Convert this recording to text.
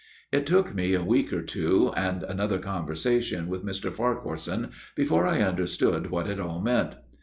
" It took me a week or two, and another conversation with Mr. Farquharson before I understood what it all meant.